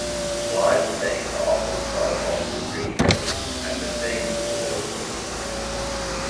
Blind snakes are often found after spring rains and mistaken for earthworms.